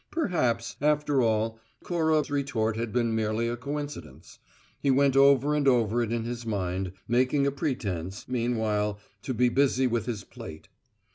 Perhaps, after all, Cora's retort had been merely a coincidence. He went over and over it in his mind, making a pretence, meanwhile, to be busy with his plate.